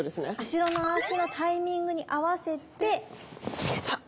後ろの足のタイミングに合わせてサッ。